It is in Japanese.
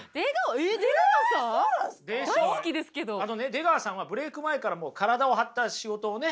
出川さんはブレイク前から体を張った仕事をね